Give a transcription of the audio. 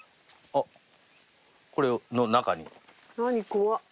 怖っ。